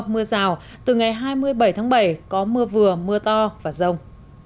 mưa rào từ ngày hai mươi bảy tháng bảy có mưa vừa mưa to và rông